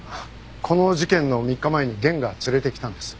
この事件の３日前に源が連れてきたんです。